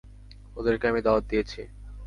ওদেরকে আমি দাওয়াত দিয়েছি।